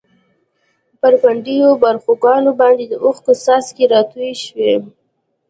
پر پڼډو باړخوګانو باندې د اوښکو څاڅکي راتوی شول.